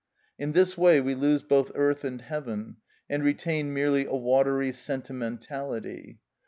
In this way we lose both earth and heaven, and retain merely a watery sentimentality.